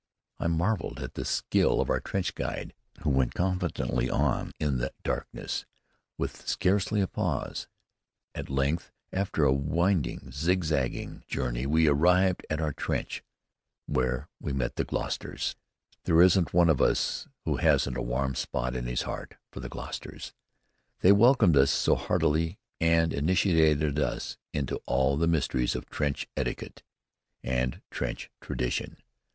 I marveled at the skill of our trench guide who went confidently on in the darkness, with scarcely a pause. At length, after a winding, zigzag journey, we arrived at our trench where we met the Gloucesters. There isn't one of us who hasn't a warm spot in his heart for the Gloucesters: they welcomed us so heartily and initiated us into all the mysteries of trench etiquette and trench tradition.